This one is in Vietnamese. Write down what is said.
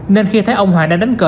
nên khi thấy ông hoàng đang đánh cờ